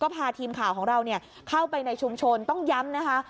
พาทีมข่าวของเราเข้าไปในชุมชนต้องย้ำนะคะ